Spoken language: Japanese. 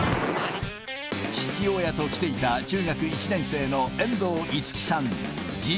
父親と来ていた中学１年生の遠藤貴月さん。